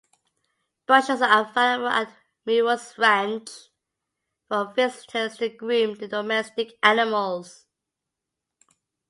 Brushes are available at Muriel's Ranch for visitors to groom the domestic animals.